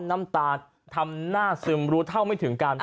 น้ำตาทำหน้าซึมรู้เท่าไม่ถึงการ